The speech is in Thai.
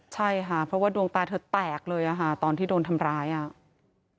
ใช่ค่ะเพราะว่าดวงตาเธอแตกเลยอ่ะค่ะตอนที่โดนทำร้ายอ่ะ